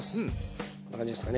こんな感じですかね